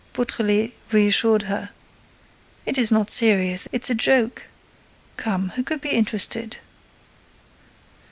Beautrelet reassured her: "It is not serious—it's a joke. Come, who could be interested?"